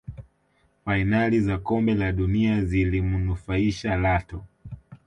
fainali za kombe la dunia zilimunufaisha Lato